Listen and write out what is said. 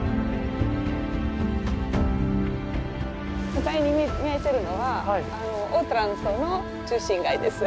向かいに見えてるのはオートラントの中心街です。